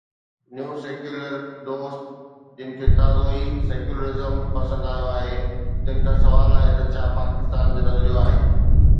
”نيو secular دوست“ جن کي تازو ئي سيڪيولرزم پسند آيو آهي، تن کان سوال آهي ته ڇا پاڪستان جو نظريو آهي؟